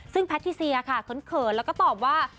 ซึ่งแพทิเซียค่ะเขินแล้วก็ตอบว่า